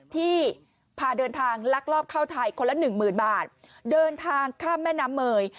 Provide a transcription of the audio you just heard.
ที่พาเดินทางลักลอบเข้าไทยคนละหนึ่งหมื่นบาทเดินทางข้ามแม่น้ำเมย